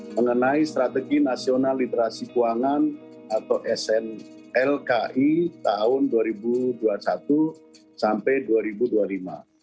mengenai strategi nasional literasi keuangan atau snlki tahun dua ribu dua puluh satu sampai dua ribu dua puluh lima